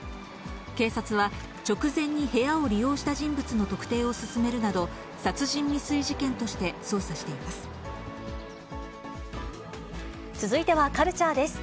警察は、直前に部屋を利用した人物の特定を進めるなど、殺人未遂事件とし続いてはカルチャーです。